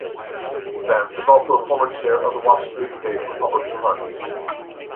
Vance is also a former chair of the Washington State Republican Party.